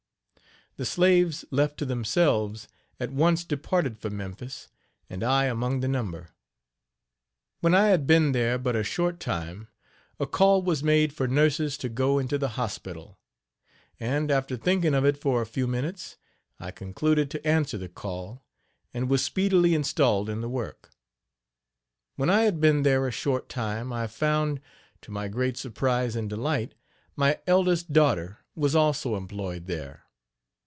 The slaves, left to themselves, at once departed for Memphis, and I among the number. When I had been there but a short time a call was made for nurses to go into the hospital; and, after thinking of it for a few minutes, I concluded to answer the call, and was speedily installed in the work. When I had been there a short time I found, to my great surprise and delight, my eldest daughter was also employed there.